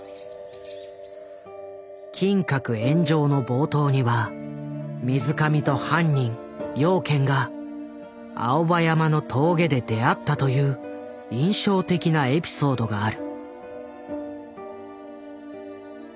「金閣炎上」の冒頭には水上と犯人・養賢が青葉山の峠で出会ったという印象的なエピソードがある。